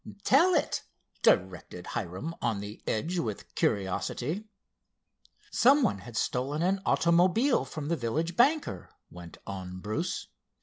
"Tell it," directed Hiram, on the edge with curiosity. "Some one had stolen an automobile from the village banker," went on Bruce.